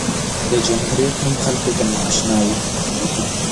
د جمهوریت نوم خلکو ته نااشنا و.